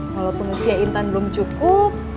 walaupun usia intan belum cukup